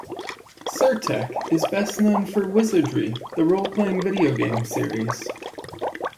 Sir-Tech is best known for "Wizardry," the role-playing video game series.